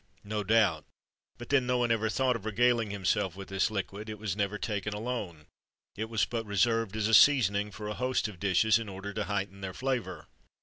No doubt, but then no one ever thought of regaling himself with this liquid; it was never taken alone; it was but reserved as a seasoning for a host of dishes, in order to heighten their flavour.